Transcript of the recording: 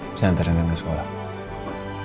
bisa antar rena sekolah